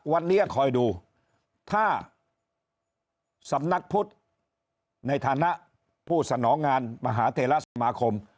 วันนี้คอยดูถ้าสำนักพุทธในฐานะผู้สนองงานมหาเทราสมาคม